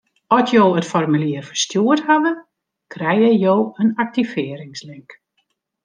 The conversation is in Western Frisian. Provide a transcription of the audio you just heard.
At jo it formulier ferstjoerd hawwe, krijge jo in aktivearringslink.